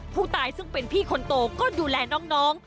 ผู้ตายซึ่งเป็นพี่คนโตก็ดูแลน้อง